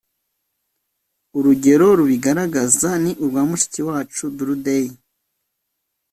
Urugero rubigaragaza ni urwa mushiki wacu Durdei